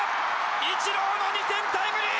イチローの２点タイムリー！